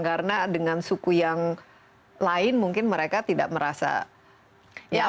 karena dengan suku yang lain mungkin mereka tidak merasa ya aman